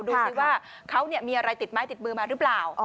ดูสิว่าเขามีอะไรติดไม้ติดมือมาหรือเปล่า